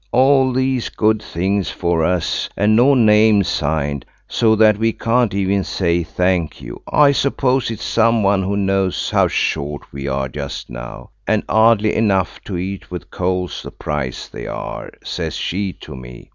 All these good things for us, and no name signed, so that we can't even say thank you. I suppose it's some one knows how short we are just now, and hardly enough to eat with coals the price they are,' says she to me.